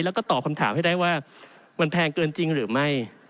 แล้วก็ตอบคำถามให้ได้ว่ามันแพงเกินจริงหรือไม่